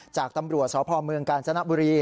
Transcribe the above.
จากตำรวจสพเมืองกาญจนบุรี